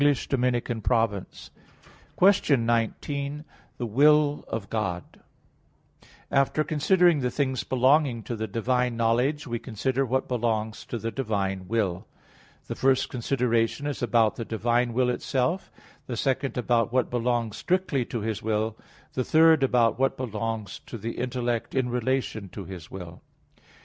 _______________________ QUESTION 19 THE WILL OF GOD (In Twelve Articles) After considering the things belonging to the divine knowledge, we consider what belongs to the divine will. The first consideration is about the divine will itself; the second about what belongs strictly to His will; the third about what belongs to the intellect in relation to His will.